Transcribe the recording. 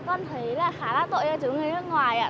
con thấy là khá là tội cho chú người nước ngoài ạ